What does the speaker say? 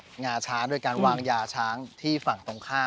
ชื่องนี้ชื่องนี้ชื่องนี้ชื่องนี้ชื่องนี้